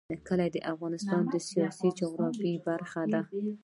کلي د افغانستان د سیاسي جغرافیه برخه ده.